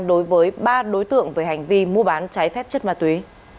đối với ba đối tượng về hành vi mua bán trái phép chất ma túy